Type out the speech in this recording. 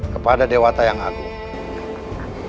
kepada dewa tayang agung